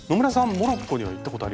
モロッコには行ったことあります？